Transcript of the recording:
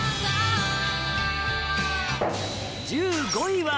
１５位は